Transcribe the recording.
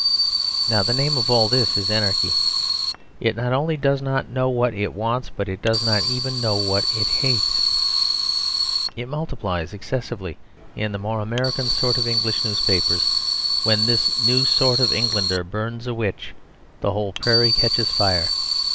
Now the name of all this is Anarchy. It not only does not know what it wants, but it does not even know what it hates. It multiplies excessively in the more American sort of English newspapers. When this new sort of New Englander burns a witch the whole prairie catches fire.